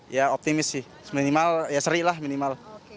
ya optimis sih minimal ya seri lah minimal